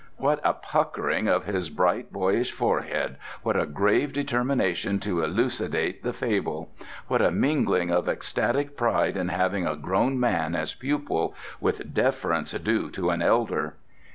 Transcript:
What a puckering of his bright boyish forehead, what a grave determination to elucidate the fable! What a mingling of ecstatic pride in having a grown man as pupil, with deference due to an elder.